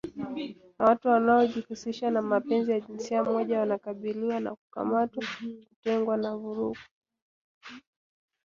na watu wanaojihusisha na mapenzi ya jinsia moja wanakabiliwa na kukamatwa kutengwa na vurugu